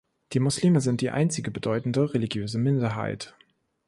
Die Muslime sind die einzige bedeutende religiöse Minderheit.